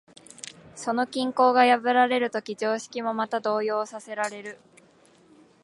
その均衡が破られるとき、常識もまた動揺させられる。